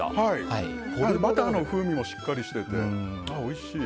バターの風味もしっかりしてておいしい。